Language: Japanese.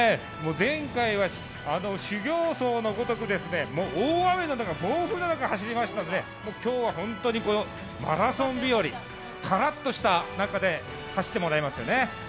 前回は修行僧のごとく、大雨の中、暴風の中走りましたので、今日はホントにマラソンびより、カラッとした中で走ってもらえますよね。